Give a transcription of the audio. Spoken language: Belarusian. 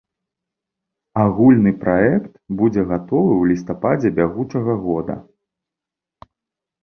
Агульны праект будзе гатовы ў лістападзе бягучага года.